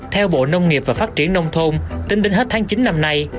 theo bộ nông nghiệp và phát triển nông thôn tính đến hết tháng chín năm nay